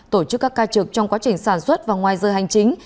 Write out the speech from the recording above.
tổ chức các ca trực trong quá trình sản xuất và ngoài giờ hành chính